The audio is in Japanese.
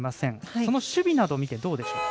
その守備などを見てどうですか？